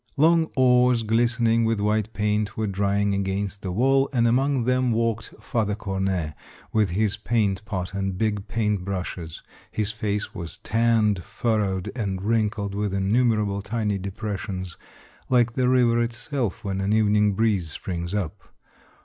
Long oars glistening with white paint were dry ing against the wall, and among them walked Father Cornet with his paint pot and big paint brushes ; his face was tanned, furrowed, and wrinkled with in numerable tiny depressions, like the river itself when an evening breeze springs up.